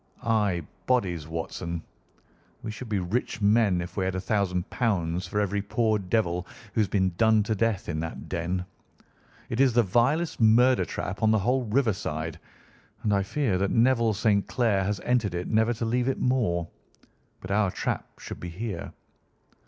"Ay, bodies, Watson. We should be rich men if we had £ 1000 for every poor devil who has been done to death in that den. It is the vilest murder trap on the whole riverside, and I fear that Neville St. Clair has entered it never to leave it more. But our trap should be here."